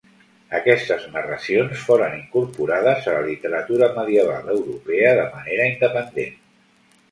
Aquestes narracions foren incorporades a la literatura medieval europea de manera independent.